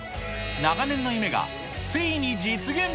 長年の夢がついに実現。